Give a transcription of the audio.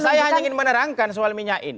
saya hanya ingin menerangkan soal minyak ini